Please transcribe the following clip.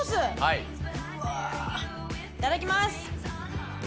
いただきます。